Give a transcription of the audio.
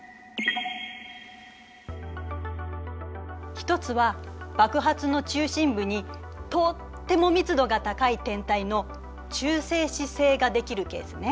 １つは爆発の中心部にとっても密度が高い天体の中性子星ができるケースね。